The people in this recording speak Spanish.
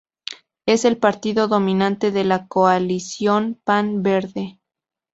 Es el partido dominante de la Coalición pan-verde.